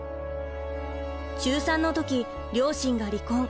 中３の時両親が離婚。